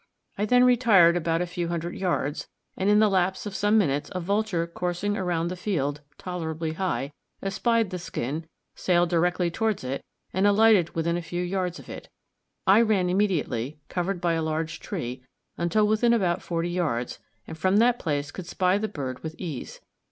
I then retired about a few hundred yards, and in the lapse of some minutes a vulture coursing around the field, tolerably high, espied the skin, sailed directly towards it, and alighted within a few yards of it. I ran immediately, covered by a large tree, until within about forty yards, and from that place could spy the bird with ease.